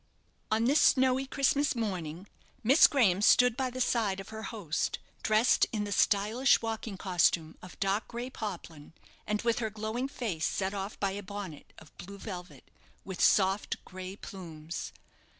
On this snowy Christmas morning Miss Graham stood by the side of her host, dressed in the stylish walking costume of dark gray poplin, and with her glowing face set off by a bonnet of blue velvet, with soft gray plumes.